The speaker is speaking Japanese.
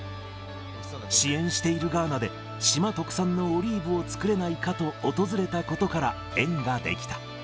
支援しているガーナで、島特産のオリーブを作れないかと訪れたことから、縁が出来た。